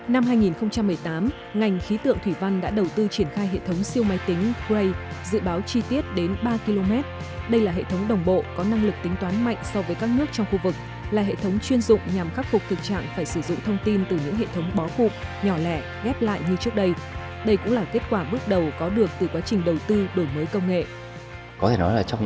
năm hai nghìn một mươi tám ngành khí tượng thủy văn đã đầu tư triển khai hệ thống siêu máy tính gray dự báo chi tiết đến ba km đây là hệ thống đồng bộ có năng lực tính toán mạnh so với các nước trong khu vực là hệ thống chuyên dụng nhằm khắc phục thực trạng phải sử dụng thông tin từ những hệ thống bó cục nhỏ lẻ ghép lại như trước đây đây cũng là kết quả bước đầu có được từ quá trình đầu tư đổi mới công nghệ